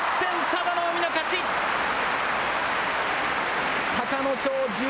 佐田の海の勝ち。